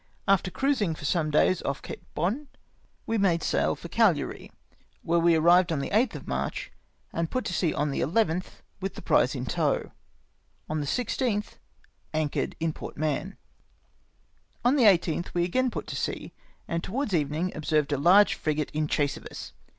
After cruising for some days off Cape Bon we made sail for Caghari, where we arrived on the 8th of March, and put to sea on the 11th with the prize in tow. On the 16th, anchored in Port Mahon. On the 18 th we again put to sea, and towards even ing observed a large frigate in chase of us.